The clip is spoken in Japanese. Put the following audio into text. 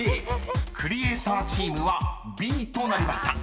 ［クリエイターチームはＢとなりました］